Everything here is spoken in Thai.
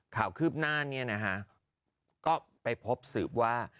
ข่าวคืบหน้านี้นะฮะก็ไปพบสืบว่า